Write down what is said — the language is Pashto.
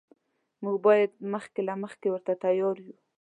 موږ باید مخکې له مخکې ورته تیار یو.